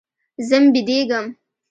ځم بيدېږم.